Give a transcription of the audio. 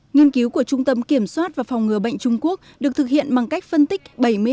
nghiên cứu của trung tâm kiểm soát và phòng ngừa bệnh trung quốc được thực hiện bằng cách phân tích